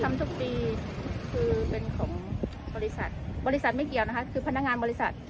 ทุกปีคือเป็นของบริษัทบริษัทไม่เกี่ยวนะคะคือพนักงานบริษัท